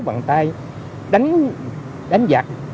bàn tay đánh giặc